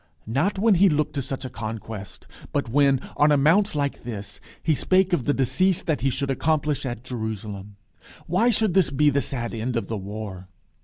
Not when he looked to such a conquest; but when, on a mount like this, he "spake of the decease that he should accomplish at Jerusalem"! Why should this be "the sad end of the war"?